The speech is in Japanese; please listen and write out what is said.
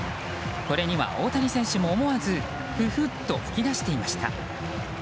これには大谷選手も思わずフフッと吹き出していました。